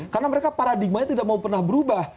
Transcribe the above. karena mereka paradigmanya tidak mau pernah berubah